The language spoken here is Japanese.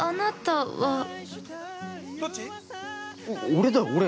俺だよ、俺。